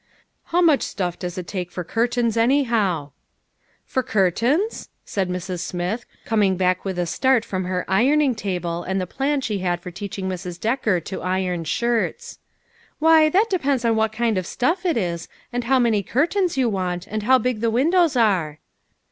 " How much stuff does it take for curtains, anyhow ?" "For curtains?" said Mrs. Smith, coming back with a start from her ironing table and the plan she had for teaching Mrs. Decker to iron shirts. " Why, that depends on what kind of stuff it is, and how many curtains you want, and how big the windows are."